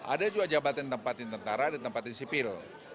ada juga jabatan tempatin tentara dan tempatin sipil